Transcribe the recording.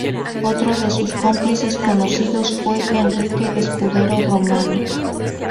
Otro de sus cómplices conocidos fue Enrique Escudero Romano.